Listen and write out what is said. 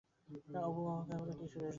অপু অবাক হইয়া বলে, কি সুরেশদা?